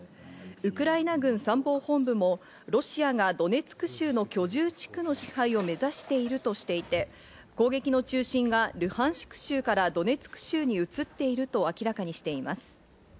ウクライナ軍参謀本部もロシアがドネツク州の居住地区の支配を目指しているとしていて、攻撃の中心がルハンシク州からドネツク州に移っていると明らかにしています。